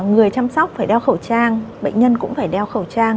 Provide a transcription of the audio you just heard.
người chăm sóc phải đeo khẩu trang bệnh nhân cũng phải đeo khẩu trang